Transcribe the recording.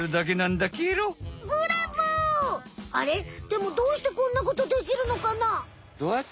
でもどうしてこんなことできるのかな？